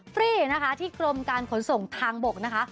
ฟรีนะคะที่กรมการขนส่งทางบกนะคะ